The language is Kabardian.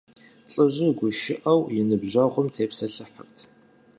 ЛӀыжьыр гушыӀэурэ и ныбжьэгъум тепсэлъыхьырт.